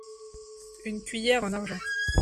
Une cuillère en argent.